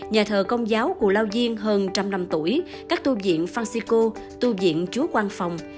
nhà thờ công giáo cù lao diên hơn trăm năm tuổi các tu diện phan xích cô tu diện chúa quang phòng